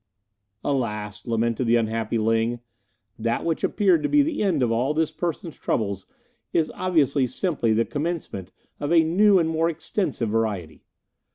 "Alas!" lamented the unhappy Ling, "that which appeared to be the end of all this person's troubles is obviously simply the commencement of a new and more extensive variety.